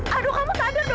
aduh kamu sadar dong